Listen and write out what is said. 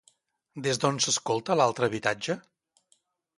Des d'on s'escolta l'altre habitatge?